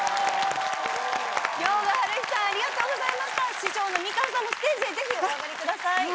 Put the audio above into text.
師匠のみかんさんもステージへぜひお上がりください。